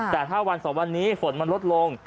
แต่ถ้าวันสองวันนี้ฝนมันลดลง